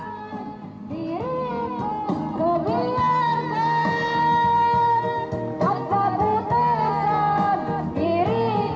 diriku kau tinggalkan